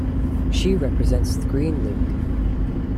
She represents the Green League.